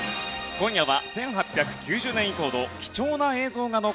今夜は。